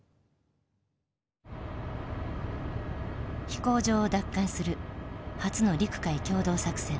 飛行場を奪還する初の陸海協同作戦。